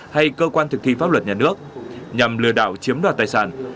hay cơ quan thực thi pháp luật nhà nước nhằm lừa đảo chiếm đoạt tài sản